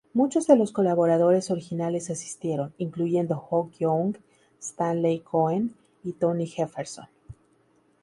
Muchos de los colaboradores originales asistieron, incluyendo Jock Young, Stanley Cohen y Tony Jefferson.